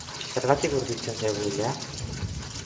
Zergatik urditzen zaigu ilea?